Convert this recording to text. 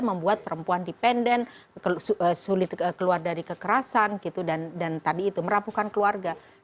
membuat perempuan dependent sulit keluar dari kekerasan dan tadi itu merapuhkan keluarga